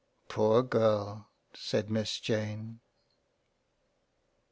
" Poor Girl !" said Miss Jane.